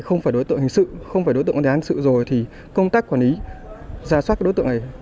không phải đối tượng hình sự không phải đối tượng có thể án sự rồi thì công tác quản lý ra soát